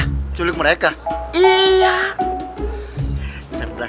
kalau di antal mereka kita culik aja